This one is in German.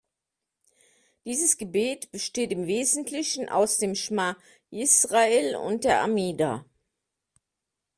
Dieses Gebet besteht im Wesentlichen aus dem Schma Jisrael und der Amida.